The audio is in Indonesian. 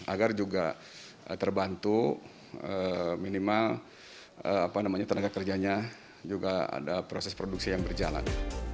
agar juga terbantu minimal tenaga kerjanya juga ada proses produksi yang berjalan